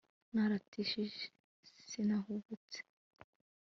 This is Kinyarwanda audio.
Naratatishije sinahubutse